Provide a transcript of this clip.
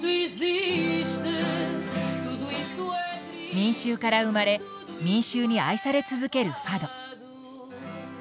民衆から生まれ民衆に愛され続けるファド。